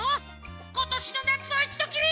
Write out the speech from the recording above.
ことしのなつはいちどきり！